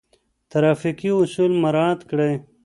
ترافیکي اصول مراعات کړئ.